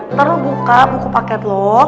ntar lo buka buku paket lo